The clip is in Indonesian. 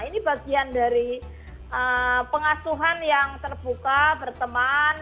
ini bagian dari pengasuhan yang terbuka berteman